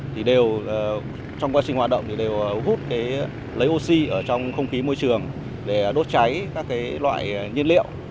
thì đều trong quá trình hoạt động thì đều hút lấy oxy ở trong không khí môi trường để đốt cháy các loại nhiên liệu